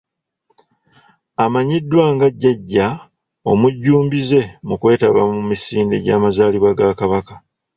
Amanyiddwa nga Jjajja omujjumbize mu kwetaba mu misinde gyamazaalibwa ga Kabaka.